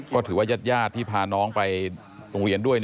ก็ถือว่าญาติที่พาน้องไปโรงเรียนด้วย